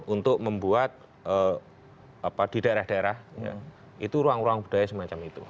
untuk membuat di daerah daerah itu ruang ruang budaya semacam itu